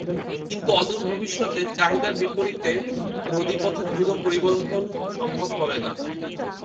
কিন্তু অদূর ভবিষ্যতে চাহিদার বিপরীতে নদীপথে দ্রুত পরিবহন সম্ভব হবে না।